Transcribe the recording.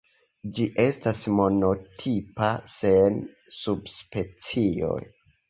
Ĝi estas monotipa, sen subspecioj.